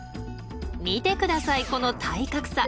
見てくださいこの体格差。